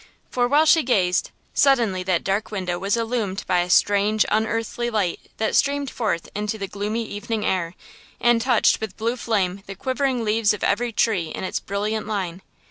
For while she gazed, suddenly that dark window was illumed by a strange, unearthly light that streamed forth into the gloomy evening air, and touched with blue flame the quivering leaves of every tree in its brilliant line!